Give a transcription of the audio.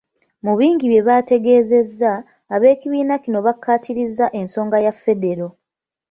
Mu bingi bye baategeezezza, ab'ekibiina kino baakaatirizza ensonga ya Federo.